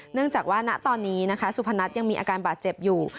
เนื่องจากว่าณตอนนี้นะคะสุพนัทยังมีอาการบาดเจ็บอยู่